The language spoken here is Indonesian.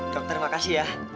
dokter makasih ya